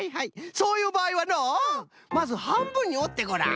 そういうばあいはのまずはんぶんにおってごらん。